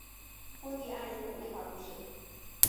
丰蒂安人口变化图示